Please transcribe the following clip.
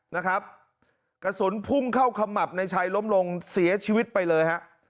นะครับกระสุนพุ่งเข้าขมับในชัยล้มลงเสียชีวิตไปเลยฮะ